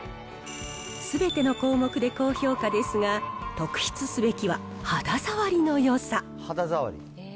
すべての項目で高評価ですが、特筆すべきは肌触りのよさ。